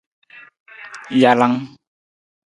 Jalang.